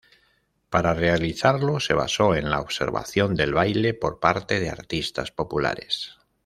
Para realizarlo se basó en la observación del baile por parte de artistas populares.